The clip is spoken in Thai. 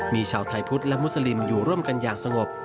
มีชาวไทยพุทธและมุสลิมอยู่ร่วมกันอย่างสงบ